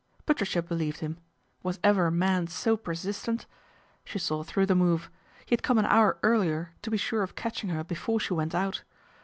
Patricia believed him. Was ever man so per iistent ? She saw through the move. He had :ome an hour earlier to be sure of catching her Before she went out.